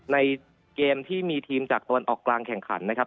ในเกมที่มีทีมจากตะวันออกกลางแข่งขันนะครับ